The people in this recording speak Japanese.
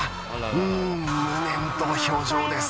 うん無念との表情です。